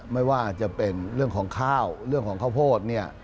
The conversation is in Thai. ไม่ว่าจะเป็นเรื่องของข้าวเรื่องของข้าวโพดเนี่ย